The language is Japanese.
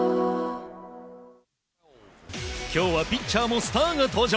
今日はピッチャーもスターが登場。